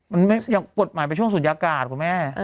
มันต้องปลดหมายไปช่วงสุดยากกาสคุณแม่